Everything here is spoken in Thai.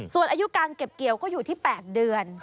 ส่วนอายุการเก็บเกี่ยวก็อยู่ที่๘เดือน